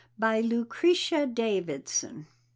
BY LUCRETIA DAVIDSON.